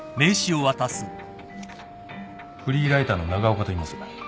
フリーライターの長岡といいます。